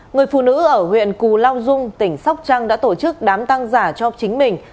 người phụ nữ ở huyện cù lao dung tỉnh sóc trăng đã tổ chức đám tăng giả cho chính mình